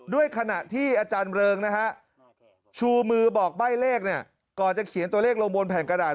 ขณะที่อาจารย์เริงนะฮะชูมือบอกใบ้เลขเนี่ยก่อนจะเขียนตัวเลขลงบนแผ่นกระดาษ